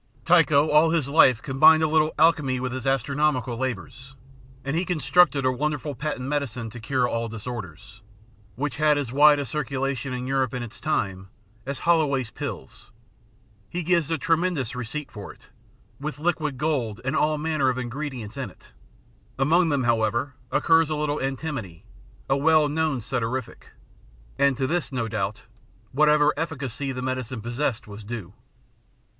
Tycho all his life combined a little alchemy with his astronomical labours, and he constructed a wonderful patent medicine to cure all disorders, which had as wide a circulation in Europe in its time as Holloway's pills; he gives a tremendous receipt for it, with liquid gold and all manner of ingredients in it; among them, however, occurs a little antimony a well known sudorific and to this, no doubt, whatever efficacy the medicine possessed was due.